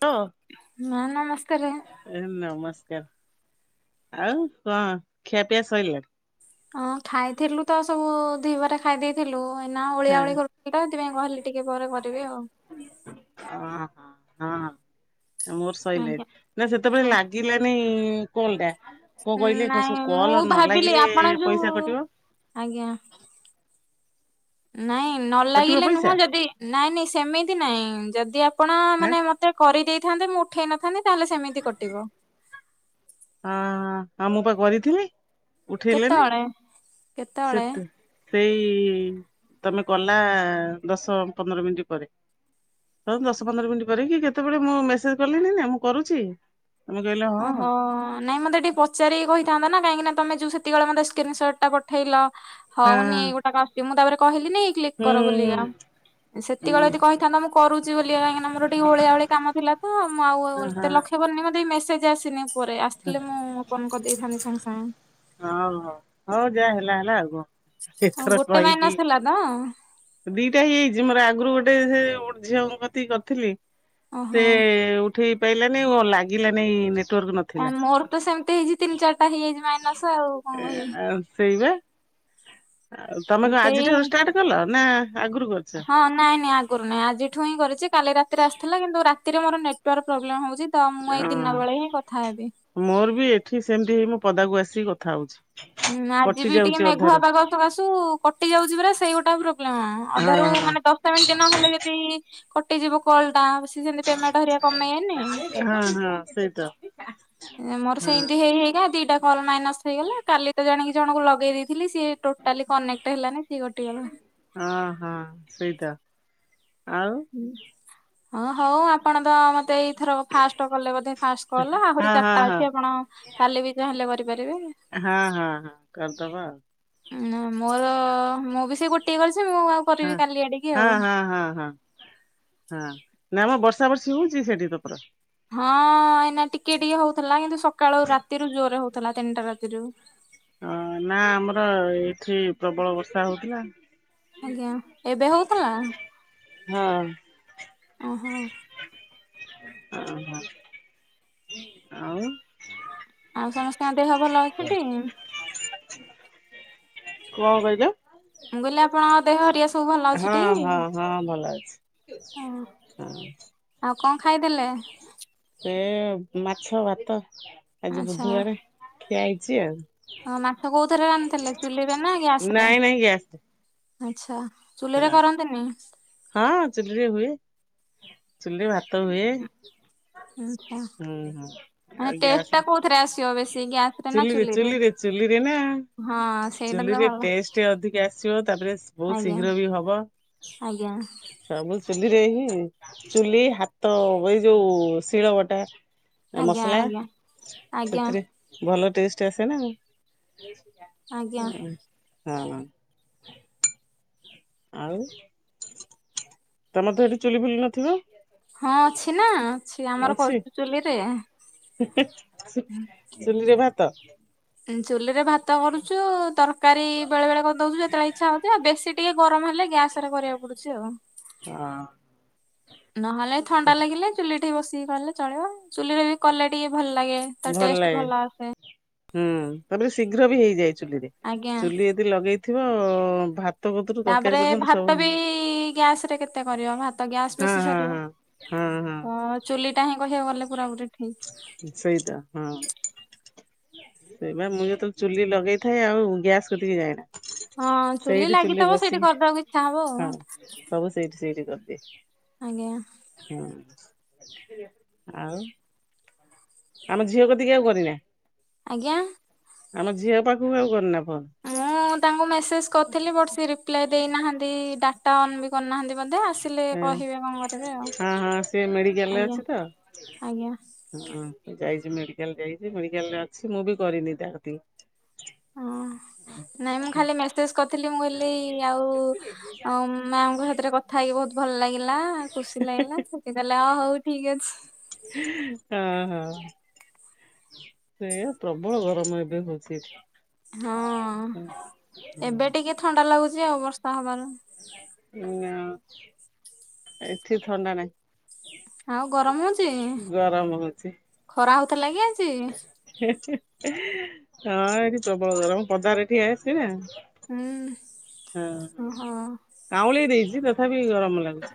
ଅ। ମା ନମସ୍କାରେ। ଏ ନମସ୍କାର। ଆଉ ଙ୍କ ଖିଆପିଆ ସଇଲାଣି? ହଁ, ଖାଇଥିଲୁ ତ ସବୁ ଧିବରେ। ଖାଇ ଦେଇଥିଲୁ। ଏଇନା ଓଳିଆ ଓଳି ହଁ କରୁଥିଲି ତ ସେଇଥିପାଇଁ କହିଲି ଟିକେ ପରେ କରିବି ଆଉ। ଅଁ ହଁ ହଁ, ମୋର ଆଜ୍ଞା। ସଇଲାଣି। ନା ସେତେବେଳେ ଲା ହଁ ଲାଗିଲାନି କଲ୍ ଟା କଣ କଇଲେ କ ନାଇଁ ସବୁ ମୁଁ କଲ୍ ନ ଭାବିଲି ଲାଗିଲେ ଆପଣ ପଇସା ଯୋଉ କଟିବ। ଆଜ୍ଞା।। ନାଇଁ ନ କଟିବ ଲାଗିଲେ ପଇସା? ନୁହଁ ଯଦି ନାଇଁ ନାଇଁ ସେମିତି ନାଇଁ ଯଦି ଆପଣ ହଁ ମାନେ ମ ମତେ କରିଦେଇଥାନ୍ତେ ମୁଁ ଉଠେଇ ନଥାନ୍ତି ତାହେଲେ ସେମିତି କଟିବ। ହଁ, ହଁ ଆ ମୁଁ ପା କରିଥିଲି ଉଠେଇଲେନି କେତେବେଳେ କେତେବେଳେ? ସେତ ସେଇ ତମେ କଲା ଦଶ, ପନ୍ଦର ମିଣ୍ଟି ପରେ। ହୋଉ ଦଶ, ପନ୍ଦର ମିଣ୍ଟି ପରେ କି କେତେବେଳେ ମୁଁ ମେସେଜ କଲି ନିନା ମୁଁ କରୁଛି, ତମେ କହିଲ ହଁ। ହଁ ନାଇଁ ମତେ ଟିକେ ପଚାରିକି କହିଥାନ୍ତ ନା କାହିଁକିନା ତମେ ଯୋଉ ସେତିକି ଅଳେ ମତେ ସ୍କ୍ରିିନସଟ ଟା ପଠେଇଲ। ହୁଁ ହଉନି ଏଇ ଗୋଟା କ ଆସୁଚି ମୁଁ ତାପରେ କିହିଲି ନି କ୍ଲିକ୍ ହୁଁ କର ବୋଲିକା। [inaudible] ସେତିକିଅଳେ ଯଦି କହିଥାନ୍ତା ମୁଁ କରୁଚି ବୋଲିକା କହିଁକିନା ମୋର ଟିକେ ଓଳିଆ ଓଳି କାମ ଥିଲା ତ ମୁଁ ଆଉ ହଁ ଓ ଏତେ ଲକ୍ଷ କରିନି ମୋତେ ବି ମେସେଜ ଆସିନି ଉପରେ ଆସଥିଲେ ମୁଁ ଓପନ୍ କରିଦେଇଥାନ୍ତି ସାଙ୍ଗେ ସାଙ୍ଗେ। ଓହୋ ହଉ ଯା ହେଲା ହେଲା ଆଉ କୁଅ? ହଁ, ଗୋଟେ ମାଇନ୍ସ ଥିଲା ତ? ଦିଟା ହେଇ ଜାଇଚି ମୋର ଆଗୁରୁ ଗୋଟେ ସେ ଗୋଟେ ଝିଅଙ୍କ କତିକି କରଥିଲି। ସେ ଓହୋ। ଉ ଉଠେଇ ପାଇଲା ନେଇ ଅ ଲାଗିଲାନି ନେଟୱାର୍କ୍ ନ ଥିଲା ମୋର ତ ସେମିତି ହେଇଛି ତିନି ଚାରିଟା ହେଇଯାଇଛି ମାଇନସ୍ ଆଉ କଣ ଏ କହିବି। ଆଉ ସେଇବା। ଆଉ ତମେ କଣ ଆଜି ଠାରୁ ସେଇ ଷ୍ଟାର୍ଟ କଲ ନା ଆଗୁରୁ କରିଚ? ହଁ ନାଇଁ ନାଇଁ ଆଗରୁ ନାହିଁ ଆଜିଠୁ ହିଁ କରିଛି କାଲି ରାତିରେ ଆସିଥିଲା କିନ୍ତୁ ରାତିରେ ମୋର ନେଟୱାର୍କ ପ୍ରୋବ୍ଲେମ ହଉଛି। ତ ମୁଁ ଏଇ ହଁ ଦିନ ବେଳେ ହିଁ କଥା ହେବି। ମୋର ବି ଏଠି ସେମିତି ହେଇ ମୁଁ ପଦାକୁ ଆସିକି କଥା ହଉଛି। ହୁଁ ଆଜି କଟି ବି ଟିକେ ଯାଉଛି ମେଘୁଆ ଅଧାରୁ ପାଗ ସକାସୁ କଟି ଯାଉଛି ପରା ସେଇ ଗୋଟା ପ୍ରୋବ୍ଲେମ ହଁ ଅଧାରୁ ମାନେ ଦଶ ମିଣ୍ଟି ନହେଲେ ଯଦି କଟିଯିବ କଲ୍ ଟା ସିଏ ସେମିତି ପେମେଣ୍ଟ ହେରିକା କମେଇବେନି। ହଁ, ହଁ, ସେଇ ତ। ମୋର ସେମିତି ହେଇ ହେଇ କା ଦିଟା କଲ୍ ମାଇନସ୍। ହେଇଗଲା କାଲି ତ ଜାଣିକି ଜଣଙ୍କୁ ଲଗେଇ ଦେଇଥିଲି, ସିଏ ଟୋଟାଲି କନେକ୍ଟ ହେଲାନି। ସିଏ କଟିଗଲା। ଅ, ହଁ, ସେଇଟା ଆଉ? ଉଁ, ହଁ, ହଉ ଆପଣ ତ ମତେ ଏଇ ଥରକ ଫାଷ୍ଟ କଲେ ବୋଧେ ଫାଷ୍ଟ କଲ ହଁ ଆହୁରି ହଁ ଚାରିଟା ହଁ। ଅଛି ଆପଣ କାଲି ବି ଚାହିଁଲେ କରିପାରିବେ। ହଁ, ହଁ, ହଁ, କରିଦବା ଆଉ। ନାଁ ମୋର ମୁଁ ବି ସେଇ ଗୋଟିଏ କରିଛି ମୁଁ ଆଉ କରିବି ହଁ, କାଲି ଆଡିକି ହଁ, ଆଉ। ହଁ, ହଁ, ହଁ। ହଁ ନାଁ ମ ବର୍ଷା ବର୍ଷି ହଉଛି ସେଠି ତମର? ହଁ ଏଇନା ଟିକେ ଟିକେ ହଉଥିଲା କିନ୍ତୁ ସକାଳୁ ରାତିରୁ ଜୋରରେ ହଉଥିଲା ତିନିଟା ରାତିରୁ। ଅ ନା ଆମର ଏଠି ପ୍ରବଳ ବର୍ଷା ହଉଥିଲା। ଆଜ୍ଞା ଏବେ ହଉଥିଲା, ହଁ। ଓହୋ। ଓହୋ। ଆଉ? ଆଉ ସମସ୍ତଙ୍କ ଦେହ ଭଲ ଅଛିଟି? କଣ କହିଲ? ମୁଁ କହିଲି ଆପଣଙ୍କ ଦେହ ହରିଆ ସବୁ ଭଲ ଅଛି ହଁ ଟି? ହଁ ହଁ ଭଲ ଅଛି। ହଁ ହଁ ଆଉ କଣ ଖାଇଥିଲେ? ଏ ମାଛ, ଭାତ ଆଜି ଆଚ୍ଛା। ବୁଧବାରେ ଖିଆ ହେଇଚି ଆଉ। ହଁ ମାଛ କୋଉଥିରେ ରାନ୍ଧିଥିଲେ ଚୁଲିରେ ନା ଗ୍ୟାସ୍ ରେ? ନାଇଁ ନାଇଁ ଗ୍ୟାସରେ ଆଛା, ଚୁଲିରେ ହଁ। କରନ୍ତନି? ହଁ ଚୁଲିରେ ହୁଏ, ଚୁଲିରେ ଭାତ ହୁଏ। ଆଛା ହୁଁ ହୁଁ। ଆଉ ମାନେ ଟେଷ୍ଟ ଟା ଗ୍ୟାସରେ କୋଉଥିରେ ଆସ ଚୁଲିରେ, ଚୁଲିରେ, ଚୁଲିରେ ନା। ହଁ ସେଇଟା ତ ଚୁଲିରେ ଭଲ ଟେଷ୍ଟ ଅଧିକ ଆସିବ ତାପରେ ବହୁତ୍ ଆଜ୍ଞା ଶୀଘ୍ର ବି ହବ। ଆଜ୍ଞା ସବୁ ଚୁଲିରେ ହିଁ, ଚୁଲି ହାତ ଏଇ ଯୋଉ ଶିଳ ବଟା ଆଜ୍ଞା ମସଲା ଆଜ୍ଞା। ଆଜ୍ଞା ସେଥିରେ ଭଲ ଟେଷ୍ଟ ଆସେ ନା ଆଜ୍ଞା [unintelligible] ହଁ। ଆଉ ତମର ତ ଏଠି ଚୁଲି ଫୁଲି ନଥିବ? ହଁ ଅଛି ନା ଅଛି, ଆମର ଅଛି କରୁଛୁ ଚୁଲିରେ। [unintelligible] ଚୁଲିରେ ଭାତ? [unintelligible] ଚୁଲିରେ ଭାତ କରୁଛୁ, ତରକାରୀ ବେଳେ ବେଳେ କର୍ ଦଉଛୁ, ଯେତେବେଳେ ଇଛା ହଉଛି ଆଉ ବେଶୀ ଟିକେ ଗରମ ହେଲେ ଗ୍ୟାସ୍ ରେ କରିବାକୁ ପଡୁଛି ଆଉ। ହଁ ନହେଲେ ଥଣ୍ଡା ଲାଗିଲେ ଚୁଲିରେ ଟିକେ ବସିକି କଲେ ଚଳିବ, ଚୁଲିରେ ବି କଲେ ଟିକେ ଭଲ୍ ଲାଗେ। ତା ଭଲ୍ ଟେଷ୍ଟ ଲାଗେ ଭଲ ଆସେ ହୁଁ ତାପରେ ଶୀଘ୍ର ବି ହେଇଯାଏ ଚୁଲିରେ ଆଜ୍ଞା ଚୁଲି ତି ଲଗେଇଥିବ ଭା ତାପରେ ଭାତ ବି ଗ୍ୟାସ୍ ରେ କେତେ କରିବ, ଭାତ ଗ୍ୟାସ୍ ବି ବେଶି ସରିବ। ହୁଁ ହୁଁ। ଚୁଲିଟା ହିଁ କହିବାକୁ ଗଲେ ପୂରା ପୂରି ଠିକ୍। ସେଇ ତା ହଁ। ସେଇ ବା ମୁଁ ଯେତେବେଳେ ଚୁଲି ଲଗେଇଥାଏ ଆଉ ଗ୍ୟାସ୍ କତିକି ଯାଏନା। ହଁ ଚୁଲି ସେଇଠି ଲାଗିଥବ ସେଇଠି ବସିକି କରିଦବାକୁ ଇଛା ହବ। ହଁ ସବୁ ସେଇଠି ସେଇଠି କରିଦିଏ। ଆଜ୍ଞା। ହୁଁ ଆଉ ଆମ ଝିଅ କତିକି ଆଉ କରିନା ଆଜ୍ଞା। ଆମ ଝିଅ ପାଖକୁ ଆଉ କରିନା ଫୋନ୍? ମୁଁ ତାଙ୍କୁ ମେସେଜ୍ କରିଥିଲି ବଟ୍ ସେ ରିପ୍ଲାଏ ଦେଇନାହାନ୍ତି ଡାଟା ଅନ୍ ବି କର୍ ନାହାନ୍ତି ବୋଧେ ଆସ ଉଁ ହଁ ହଁ ସେି ମେଡିକାଲରେ ଆଜ୍ଞା ଅଛି ତ? ଆଜ୍ଞା ହଁ ସେ ଯାଇଛି ମେଡିକାଲ ଯାଇଛି ମେଡିକାଲରେ ଅଛି ମୁଁ ବି କରିନି ତା କତିକି। ହଁ। ନାଇଁ ମୁଁ ଖାଲି ମେସେଜ୍ କରିଥିଲି ମୁଁ ଏଲି ଆଉ ଉଁ ମେମ୍ ଙ୍କ ସାଥିରେ କ ଥା ହେଇ ବହୁତ୍ ଭଲ୍ ଲାଗିଲା ଖୁସି ଲାଗିଲା ସେ କଲା ଅ ହଉ ଠିକ୍ ଅଛି। [unintelligible] ହଁ ହଁ। ସେୟା ପ୍ରବଳ ଗରମ ଏବେ ହଉଛି ଏଠି। ହଁ ଏବେ ଟିକେ ଥଣ୍ଡା ଲାଗୁଚି ଆଉ ବର୍ଷା ହବାରୁ। [unintelligible] ଏଠି ଥଣ୍ଡା ନାହିଁ। ଆଉ ଗରମ ହଉଚି ଗରମ ହଉଛି। ଖରା ହଉଥିଲା କି ଆଜି? [unintelligible] ହଁ ଏଠି ପ୍ରବଳ ଗରମ ପଦାରେ ଠିଆ ହେଇସି ନା। ହୁଁ। ହୁଁ ଓହୋ ହୁଁ କାଉଁଳେଇ ଦେଇଛି ତଥାପି ଗରମ ଲାଗୁଛି।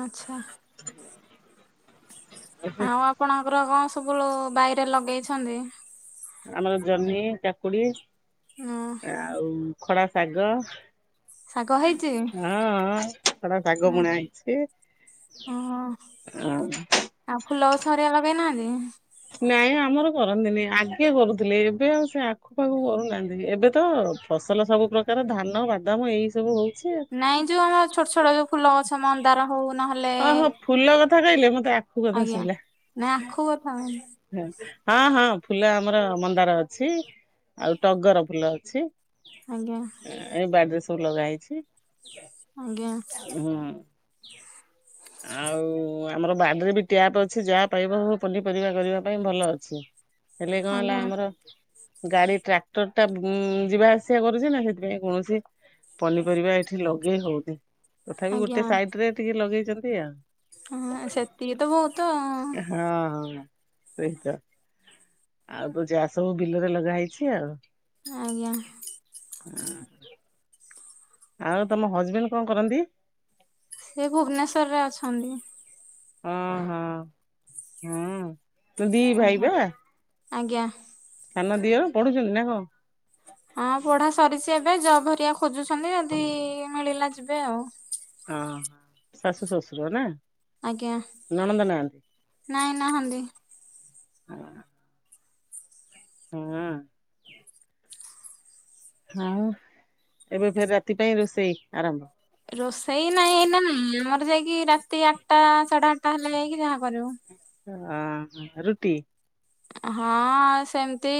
ଆଚ୍ଛା। [unintelligible] ଆଉ ଆପଣଙ୍କର କଣ ସବୁ ବାଇରେ ଲଗେଇଛନ୍ତି? ଆମର ଜହ୍ନି କାକୁଡି ହଁ ଆଉ ଖଡା ଶାଗ ଶାଗ ହେଇଛି ହଁ ହଁ ଖଡା ଶାଗ ବୁଣା ହେଇଛି। ଆଁ ଆ ଫୁଲ ଗଛ ହରିକା ଲଗେଇ ନାହାନ୍ତି? ନାଇଁ ଆମର କରନ୍ତିନି ଆଗେ କରୁଥିଲେ ଏବେ ଆଉ ସେ ଆଖୁ ପାଖୁ କରୁ ନାହାନ୍ତି। ଏବେ ତ ଫସଲ ସବୁ ପ୍ରକାର ଧାନ ବାଦାମ ଏଇ ସବୁ ହଉ ଛି ନାଇଁ ଯୋଉ ଆମର ଛୋଟ ଛୋଟ ଯୋଉ ଫୁଲ ଗଛ ମନ୍ଦାର ହଉ ନହେଲେ ଓ ହୋ ଫୁଲ କଥା କହିଲେ ମତେ ଆଖ ଖୁ କଥା ଶୁଭିଲା। ନା ଆଖୁ କଥା [unintelligible] ହଁ ହଁ ଫୁଲ ଆମର ମନ୍ଦାର ଅଛି ଆଉ ଟଗର ଫୁଲ ଅଛି। ଆଜ୍ଞା ଏ ବାଡିରେ ସବୁ ଲଗା ହେଇଚି। ଆଜ୍ଞା ହୁଁ ଆଉ ଆମର ବାଡିରେ ବି ଟ୍ୟାପ୍ ଅଛି ଯାହା ପାଇବ ସବୁ ପନି ପରିବା କରିବା ପାଇଁ ଭଲ ଅଛି। ହେଲେ କଣ ହେଲା ଆଜ୍ଞା ଆମର ଗାଡି ଟ୍ରାକ୍ଟର ଟା ଉଁ ଯିବା ଆସିବା କରୁଛି ନା। ସେଥିପାଇଁ କୌଣସି ପନିପରିବା ଏଠି ଲଗେଇ ହଉଦି ତଥାପି ଆଜ୍ଞା ଗୋଟେ ସାଇଟ ରେ ଟିକେ ଲଗେଇଚନ୍ତି। ଆଉ ହଁ ସେତିକି ତ ବହୁତ। [inaudible] ସେଇତ ଆଉ ତ ଜା ସବୁ ବିଲରେ ଲଗା ହେଇଚି। ଆଉ ଆଜ୍ଞା ହଁ ଆଉ ତମ ହଜବେଣ୍ଡ କଣ କରନ୍ତି? ସେ ଭୁବନେଶ୍ଵର ରେ ଅଛନ୍ତି। ଉଁ ହୁଁ ହୁଁ ତ ଦି ଭାଇ ଆଜ୍ଞା। ବା। ଆଜ୍ଞା ସାନ ଦିଅ ପଢୁଚନ୍ତି ନା କଁ? ହଁ ପଢା ସରିଛି ଏବେ ଜବ ହରିଆ ଖୋଜୁଛନ୍ତି ଯଦି ମିଳିଲା ଯିବେ ଆଉ। ଉଁ ହୁଁ ଶାଶୁ ଶ୍ୱଶୁର ନା? ଆଜ୍ଞା ନଣନ୍ଦ ନାହାନ୍ତି? ନାଇଁ ନାହାନ୍ତି। ହୁଁ ଆଉ ଏବେ ଫେରେ ରାତି ପାଇଁ ରୋଷେଇ ଆରମ୍ଭ ରୋଷେଇ ନାହିଁ ଏଇନା ଉଁ ମୋର ଯାଇକି ରାତି ଆଟ୍ ଟା ସାଢେ ଆଡେ ଆଟ୍ଟା ହେଲେ ଯାଇକି ଯାହା କରିବୁ। ଉଁ ହୁଁ ରୁଟି। ହଁ ସେମତି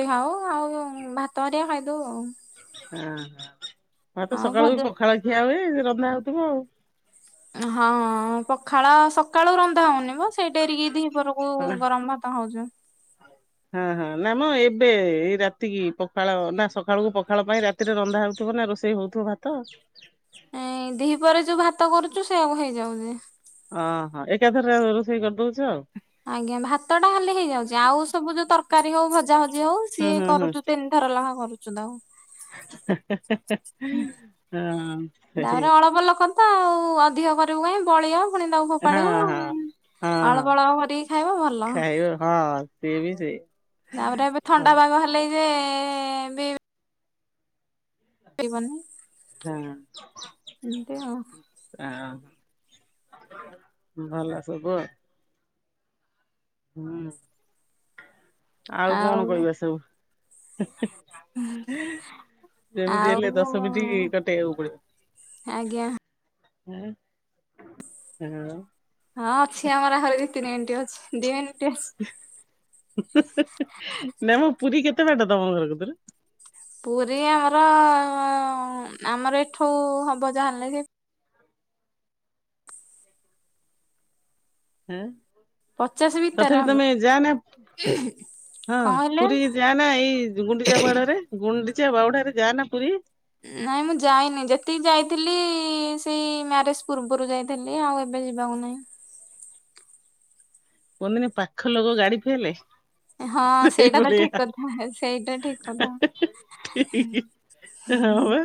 ଖାଉ ଆଉ ଭାତ ହରିଆ ଖାଇ ଦଉ ଆଉ। ଉଁ ହୁଁ ଭାତ ଆଉ ସକାଳୁ ବି ଭଜା ପଖାଳ ଖିଆ ହୁଏ ରନ୍ଧା ହଉଥିବ ଆଉ। ହଁ ପଖାଳ ସକାଳୁ ରନ୍ଧା ହୋଉନି। ସେଇ ଡେରିକି ଦି ପହରକୁ ଗରମ ଭାତ ହଉଛୁ। ହଁ ହଁ ନା ମ ଏବେ ଏଇ ରାତି କିି ପଖାଳ ନା ସକାଳକୁ ପଖାଳ ପାଇଁ ରାତି ରେ ରନ୍ଧା ହୋଉଥିବ ନା ରୋଷେଇ ହୋଉଥିବ ଭାତ। ଏଁ ଦିହି ପରେ ଯୋଉ ଭାତ କରୁଚୁ ସେଇଆକୁ ହେଇଯାଉଚି। ଓ ହୋ ଏକାଥରେ ରୋଷେଇ କରିଦଉଛ ଆଉ? ଆଜ୍ଞା ଭାତ ଟା ହାଲି ହେଇଯାଉଚି ‌। ଆଉ ସବୁ ଯୋଉ ତରକାରୀ ହଉ ଭଜା ଭଜି ହଉ ହୁଁ ସିଏ ହୁଁ ହୁଁ କରୁଚୁ ତିନି ଥର ଲେହାଁ କରୁଚୁ ତାକୁ। ହେଁ ହେଁ ସେଇ ତାପରେ ଅଳପ ଲୋକ ତ ଆଉ ଅଧିକ କରିବୁ କାଇଁ ବଳିବ। ପୁଣି ତାକୁ ହଁ ଫୋପାଡିବ ହଁ ହଁ ଅଳପ ଅଳପ କରିକି ଖାଇବ ଭଲ। ଏ ହଁ ସିଏ ବି ସେଇ। ତାପରେ ଏବେ ଥଣ୍ଡା ପାଗ ହେଲେଇ ଯେ [unintelligible] ଏଇବନି [unintelligible] ଏନ୍ତି ଆଉ। ଆଁ ଭଲ ସବୁ ଆଉ। ହୁଁ ଆଉ କଣ କଇବା ସବୁ? ହିଁ ହିଁ ଯେମିତି ଆଉ ହେଲେ ଦଶ ମିଣ୍ଟି କଟେଇଆକୁ ପଡିବ। ଆଜ୍ଞା। ଆଉ ଆଉ ହଁ ଅଛି ଆମର ଆହୁରି ଦି ତିନି ମିଣ୍ଟି ଅଛି ଦି ମିନିଟି ଅଛି। ନାଇ ମ ପୁରୀ କେତେ ବାଟ ତମ ଘର କତିରୁ? ପୁରୀ ଆମର ଉଁ ଆମର ଏଠୁ ହବ ଯାହା ହେଲେ ହେଇ ହୁଁ ପଚାଶ ଭିତରେ ତଥାପି ହବ ତମେ ଯା ନା ହଁ କଣ କହିଲେ? ପୁରୀ ଯା ନା ଏଇ ଯୋଉ ଗୁଣ୍ଡିଚା ବାହୁଡାରେ ଗୁଣ୍ଡିଚା ବାଉଡାରେ ଯା ନା ପୁରୀ? ନାଇଁ ମୁଁ ଯାଇନି ଯେତିକି ଯାଇଥିଲି ସେଇ ମ୍ୟାରେଜ ପୂର୍ବରୁ ଯାଇ ଥିଲି ଆଉ ଏବେ ଯିବାକୁ ନାହିଁ। କୁହନ୍ତିନି ପାଖ ଲୋକ ଗାଡି ଫେଲେ। ହଁ ସେଇ ସେଇଟା ତ ଠିକ ଭଳିଆ କଥା ସେଇଟା ଠିକ ହେ କଥା। ହେ ହେ ଠିକି। ଏ ହଁ ବା।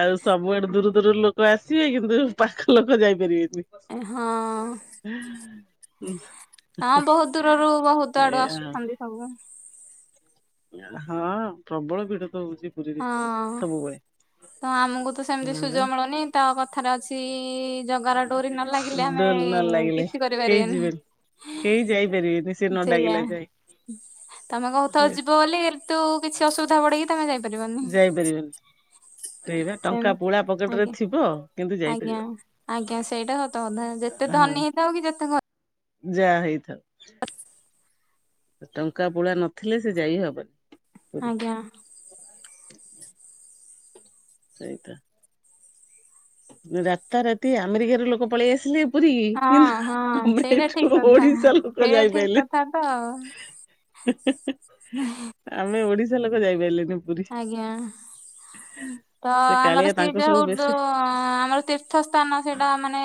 ଆଉ ସବୁଆଡୁ ଦୂରୁ ଦୂରୁରୁ ଲୋକ ଆସିବେ କିନ୍ତୁ ପାଖ ଲୋକ ଯାଇପାରିବେନି। ହଁ [unintelligible] ହଁ ବୋହୁତ ଦୂରରୁ ବୋହୁତ ଆଡୁ ଏଇଆ ଆସୁଛନ୍ତି ସବୁ। ଆ ହଁ ପ୍ରବଳ ଭିଡ ତ ହଉଚି ପୁରୀରେ ସବୁବେଳେ। ତ ଆମକୁ ତ ସେମିତି ହଁ ସୁଯୋଗ ବା। ମିଳୁନି ତ କଥାରେ ଅଛି ଜଗାର ଡୋରି ନ ଲାଗିଲେ ଆମେ ଡୋର ନ କିଛି କରିପାରିବାନି। କେଇ ଯାଇପାରିବେନି। ସେ ନ ସେଇଆ ଡାକିଲା ଯାଏ। ତମେ କହୁଥବ ଯିବ ବୋଲି ଇନ୍ତୁ କିଛି ଅସୁବିଧା ହବ ଗୋଟେ କି ତମେ ଯାଇପାରିବନି। ସେଇ ବା ସେମ ଟଙ୍କା ପୁଳା ପକେଟରେ ଆଜ୍ଞା। ଥିବ କିନ୍ତୁ ଆଜ୍ଞା ଯାଇପାରିବନି। ଆଜ୍ଞା ସେଇଟା ସତ କଥା ଯେତେ ଧନୀ ହେଇଥାଉ କି ଯେତେ ଗ ଯା ହେଇଥାଉ। [inaudible] ଟଙ୍କା ପୁଳା ନଥିଲେ ସେ ଯାଇ ହବନି। ପୁରୀ ଆଜ୍ଞା। ସେଇତ ରାତାରାତି ଆମେରିକରୁ ଲୋକ ପଳେଇ ଆସିଲେ। ପୁରୀକି କିନ୍ତୁ ହଁ ହଁ ଆମେ ସେଇଟା ଏଠୁ ଠିକ୍ କଥା ଓଡିଶା ଲୋକ ସେଇଟା ଠିକ୍ ଯାଇପାଇଲେ କଥା ତ। [unintelligible] ଆମେ ଓଡିଶା ଲୋକ ଯାଇପାଇଲେନି। ଆଜ୍ଞା ତ ସେ ଆମର କାଳିଆ ତାଙ୍କୁ [unintelligible] ହଉ ସବୁ ବେଶୀ ଆମର [unintelligible] ତୀର୍ଥ ସ୍ଥାନ ସେଇଟା ମାନେ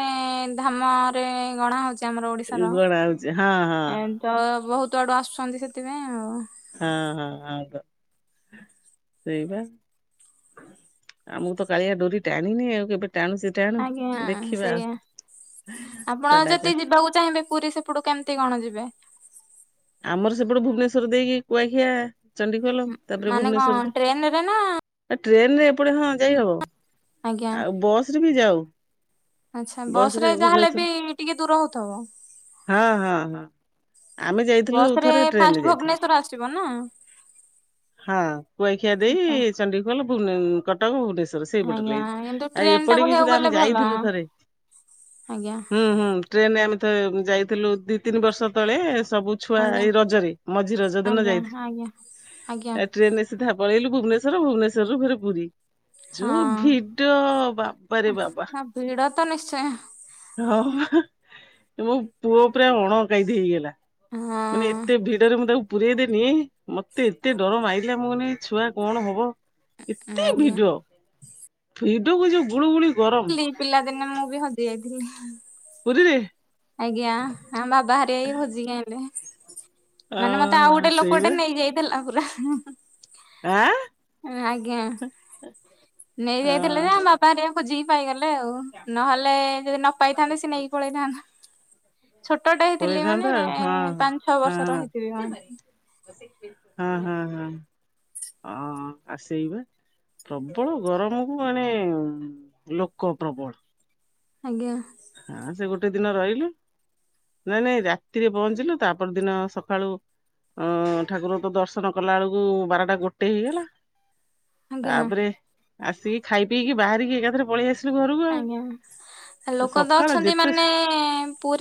ଧାମରେ ଗଣା ହଉଛି। ଏ ଆମର ଓଡିଶାର ଗଣା ହଉଛି ହଁ ହଁ। ଏନ୍ତି ତ ବୋହୁତ ଆଡୁ ଆସୁଛନ୍ତି ସେଥିପାଇଁ ଆଉ। ହଁ ହଁ ଆ ବ ସେଇବା। ଆମୁକୁ ତ କାଳିଆ ଡୋରି ଟାଣିନି ଆଉ କେବେ ଟାଣୁ ସେ ଆଜ୍ଞା ସେଇଆ ଆପଣ ତା ଡାକ ଯେତେ ଯିବାକୁ ଚାହିଁବେ ପୁରୀ ସେପୁଟୁ କେମତି କଣ ଯିବେ? ଆମର ସେପଟେ ଭୁବନେଶ୍ଵର ଦେଇକି କୁଆଖିଆ ଚଣ୍ଡିଖୋଲ ତାପରେ ମାନେ କଣ ଭୁବନେଶ୍ୱର ଦେ ଟ୍ରେନରେ ନା ଏ ଟ୍ରେନରେ ଏପଟେ ହଁ ଯାଇ ହବ। ଆଜ୍ଞା ଆଉ ବସରେ ବି ଯାଉ। ଆଚ୍ଛା ବସ ରେ ବସରେ ଯାହାହେଲେ ବି ଟିକେ ଦୂର ହଉଥିବ। ଭୁବନେଶ୍ୱର ହଁ ହଁ ହଁ। ଆମେ ଯାଇଥି ବସରେ ଫାଷ୍ଟ ଭୁବନେଶ୍ଵର ଆସିବ ନା। ହଁ କୁଆଖିଆ ଦେଇ ଆଛା ଚଣ୍ଡିଖୋଲ ଭୁବ କ କଟକ ଭୁବନେଶ୍ଵର ସେଇପଟ ଆଜ୍ଞା ଲାଇନ୍ କିନ୍ତୁ ଆଉ ଟ୍ରେନ ଟା ଏପଟେ ବି କହିବାକୁ ସୁଧା ଗଲେ ଆମେ ଭଲ ଯାଇଥିଲୁ ଥରେ। ଆଜ୍ଞା। ହୁଁ ହୁଁ ଟ୍ରେନରେ ଆମେ ତ ଯାଇଥିଲୁ ଦି ତିନି ବର୍ଷ ତଳେ ସବୁ ଛୁଆ ଆଜ୍ଞା ଏଇ ରଜରେ ମଝି ରଜ ଦିନ ଆଜ୍ଞା ଯାଇଥି ଆଜ୍ଞା ଆ ଏ ଟ୍ରେନରେ ସିଧା ପଳେଇଲୁ ଭୁବନେଶ୍ୱର ଭୁବନେଶ୍ୱରରୁୁ ଫେରେ ପୁରୀ। ଯୋଉ ହଁ ଭିଡ ବାପାରେ ବାବା। ହଁ ଭିଡ ତ ନିଶ୍ଚୟ ହଁ ମୋ ପୁଅ ପୁରା ଅଣକାଇଦି ହେଇଗଲା। ହଁ। ମାନେ ଏତେ ଭିଡରେ ମୁଁ ତାକୁ ପୁରଇଦେନି ମତେ ଏତେ ଡର ମାଇଲା ମୁଁ କହିଲିଛୁଆ କଣ ହବ? ଏତେ ଆଜ୍ଞା ଭିଡ ଭିଡକୁ ଯୋଉ ଗୁଳୁଗୁଳି ଗରମ। ପିଲା ଦିନେ ମୁଁ ବି ହଜି ଯାଇଥିଲି। ପୁରୀରେ ଆଜ୍ଞା ଆମ ବାବାହାରିକା ଖୋଜିକି ଆଣିଲେ। ଅ ମାନେ ମତେ ଆଉ ଗୋଟେ ସେଇବା ଲୋକଟେ ନେଇଯାଇଥିଲା ପୁରା। ଆଁ ଆଜ୍ଞା ନେଇ ଯାଇଥିଲେ ଯେ ଓହୋ ଆମ ବାବା ହେରିକା ଖୋଜିକି ପାଇଗଲେ ଆଉ ନହେଲେ ଯଦି ନ ପାଇଥାନ୍ତେ ସିଏ ନେଇକି ପଳେଇଥାନ୍ତା। ଛୋଟଟା ହେଇଥିଲି ପଳେଇଥାନ୍ତା ମାନେ ଆଉ ପାଞ୍ଚ ଛଅ ହଁ ବର୍ଷର ହେଇଥିଲି ମ। ହଁ ହଁ ହଁ ହ ଆ ସେଇ ବା। ପ୍ରବଳ ଗରମକୁ ମାନେ ଲୋକ ପ୍ରବଳ। ଆଜ୍ଞା। ହଁ ସେ ଗୋଟେ ଦିନ ରହିଲି। ନାଇଁ ନାଇଁ ରାତିରେ ପଅଁଞ୍ଚିଲୁ ତା ପର ଦିନ ସଖାଳୁ ଅ ଠାକୁରଙ୍କ ଦର୍ଶନ କଲା ବେଳକୁ ବାରଟା ଗୋଟେ ହେଇଗଲା। ଆଜ୍ଞା ତାପରେ ଆସିକି ଖାଇ ପିଇକି ବାହାରିକି ଏକାଥରେକେ ପଳେଇ ଆସିଲୁ ଘରକୁ ଆଉ ଆଜ୍ଞା ଲୋକ ତ ସକାଳ ଅଛନ୍ତି ଯେତେ ମାନେ ପୁରୀ